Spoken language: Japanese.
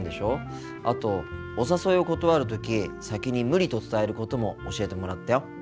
あとお誘いを断る時先に「無理」と伝えることも教えてもらったよ。